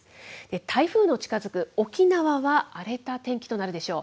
台風の近づく沖縄は荒れた天気となるでしょう。